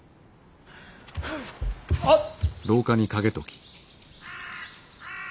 あっ。